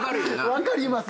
分かります。